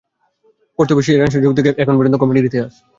পড়তে হবে সেই রেনেসাঁ যুগ থেকে শুরু করে এখন পর্যন্ত কমেডির ইতিহাস।